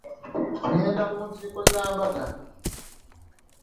Ngenda ku nkiiko za mbaga.